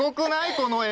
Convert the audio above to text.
この絵！